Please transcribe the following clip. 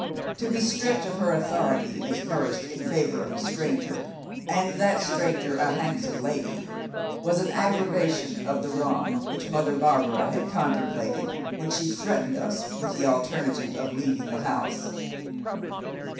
To be stripped of her authority as nurse in favor of a stranger, and that stranger a handsome lady, was an aggravation of the wrong which Mother Barbara had contemplated, when she threatened us with the alternative of leaving the house.